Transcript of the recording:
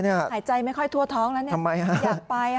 หายใจไม่ค่อยทั่วท้องแล้วอยากไป